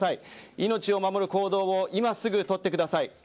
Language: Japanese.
命を守る行動を今すぐ取ってください。